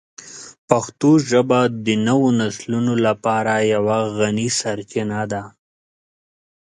پښتو ژبه د نوو نسلونو لپاره یوه غني سرچینه ده.